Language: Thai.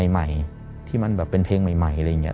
ใหม่ที่มันแบบเป็นเพลงใหม่อะไรอย่างนี้